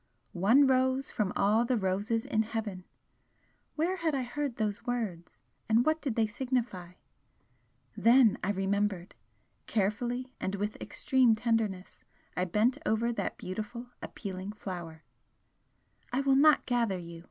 'One rose from all the roses in Heaven!' Where had I heard those words? And what did they signify? Then I remembered! Carefully and with extreme tenderness, I bent over that beautiful, appealing flower: "I will not gather you!"